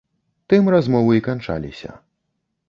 Тым размовы і канчаліся.